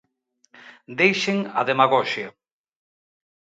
Deixen a demagoxia.